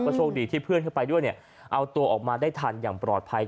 โชคดีที่เพื่อนเข้าไปด้วยเนี่ยเอาตัวออกมาได้ทันอย่างปลอดภัย